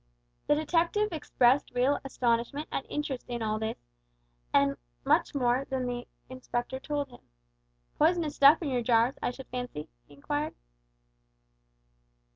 The detective expressed real astonishment and interest in all this, and much more that the Inspector told him. "Poisonous stuff in your jars, I should fancy?" he inquired.